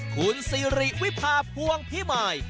คุณสิริวิภาพวงพิมาย